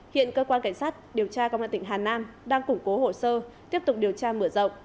hiện cơ quan cảnh sát điều tra công an tỉnh hà nam đang củng cố hồ sơ tiếp tục điều tra mở rộng